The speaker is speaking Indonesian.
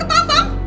he ketawa tau